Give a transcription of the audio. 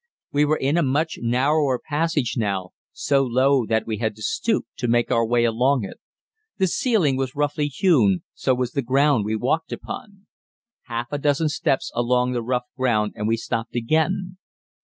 We were in a much narrower passage now, so low that we had to stoop to make our way along it. The ceiling was roughly hewn, so was the ground we walked upon. Half a dozen steps along the rough ground and we stopped again.